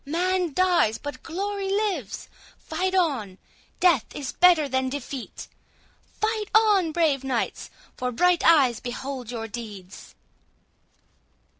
Man dies, but glory lives!—Fight on—death is better than defeat!—Fight on, brave knights!—for bright eyes behold your deeds!"